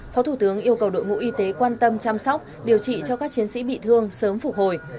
phó thủ tướng yêu cầu đội ngũ y tế quan tâm chăm sóc điều trị cho các chiến sĩ bị thương sớm phục hồi